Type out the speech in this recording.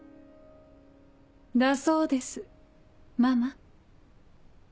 だそうですママ。